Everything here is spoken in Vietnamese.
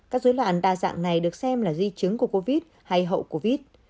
các dối loạn đa dạng này được xem là di chứng của covid hay hậu covid